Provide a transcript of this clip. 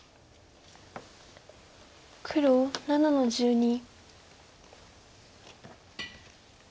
黒７の十二。